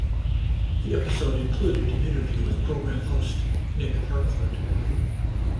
The episode included an interview with program host, Nic Harcourt.